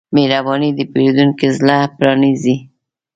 مهرباني د پیرودونکي زړه پرانیزي.